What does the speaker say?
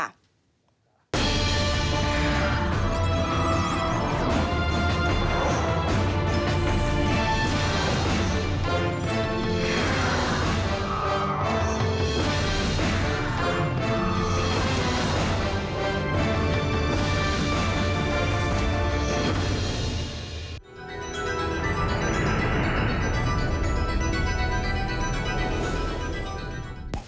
เป็นปรากฏการณ์ที่มองกันได้หลายมุมนะครับ